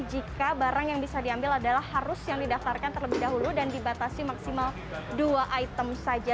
jika barang yang bisa diambil adalah harus yang didaftarkan terlebih dahulu dan dibatasi maksimal dua item saja